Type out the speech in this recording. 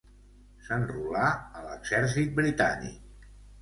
S'enrolà a l'exèrcit britànic.